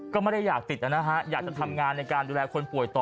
ก็ไม่ได้อยากติดนะฮะอยากจะทำงานในการดูแลคนป่วยต่อ